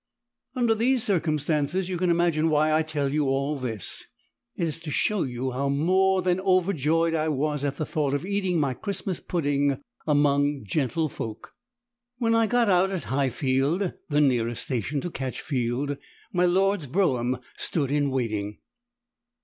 Under these circumstances you can imagine why I tell you all this it is to show you how more than overjoyed I was at the thought of eating my Christmas pudding among gentlefolk. When I got out at Highfield the nearest station to Catchfield my lord's brougham stood in waiting.